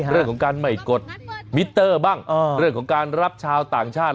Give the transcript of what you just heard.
เรื่องของการไม่กดมิเตอร์บ้างเรื่องของการรับชาวต่างชาติ